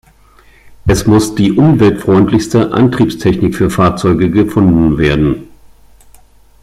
Es muss die umweltfreundlichste Antriebstechnik für Fahrzeuge gefunden werden.